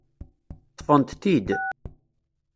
Ṭṭfent-t-id.